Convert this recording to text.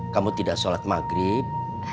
kamu tidak sholat maghrib